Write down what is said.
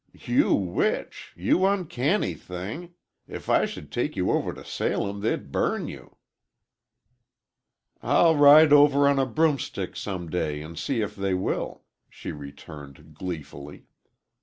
"You witch! You uncanny thing! If I should take you over to Salem, they'd burn you!" "I'll ride over on a broomstick some day, and see if they will," she returned, gleefully.